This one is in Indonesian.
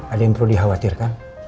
ada yang perlu dikhawatirkan